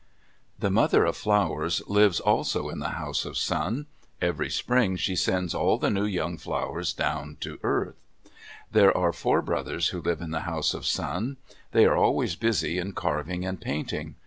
The Mother of Flowers lives also in the House of Sun. Every spring she sends all the new young flowers down to the earth. There are four brothers who live in the House of Sun. They are always busy in carving and painting.